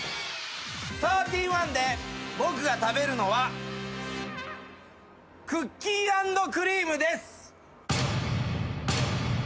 サーティワンで僕が食べるのはクッキーアンドクリームです。